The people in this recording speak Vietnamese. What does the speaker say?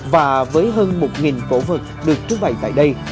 và với hơn một cổ vật được trưng bày tại đây